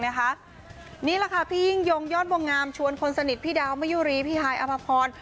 นี่แหละค่ะพี่ยิ่งยงยอดวงงามชวนคนสนิทพี่ดาวมะยุรีพี่ฮายอภพร